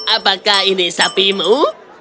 apakah ini sapimu